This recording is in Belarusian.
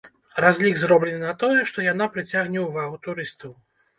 Разлік зроблены на тое, што яна прыцягне ўвагу турыстаў.